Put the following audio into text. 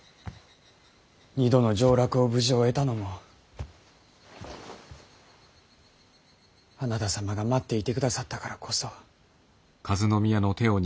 ２度の上洛を無事終えたのもあなた様が待っていてくださったからこそ。